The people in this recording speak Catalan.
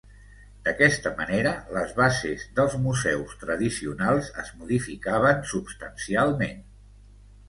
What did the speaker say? D'aquesta manera, les bases dels museus tradicionals es modificaven substancialment.